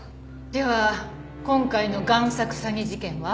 では今回の贋作詐欺事件は？